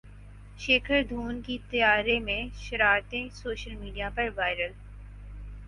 شیکھر دھون کی طیارے میں شرارتیں سوشل میڈیا پر وائرل